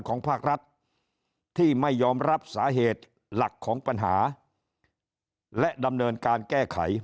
ภาครัฐที่ไม่ยอมรับสาเหตุหลักของปัญหาและดำเนินการแก้ไข